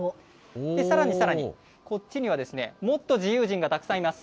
さらにさらに、こっちにはもっと自由人がたくさんいます。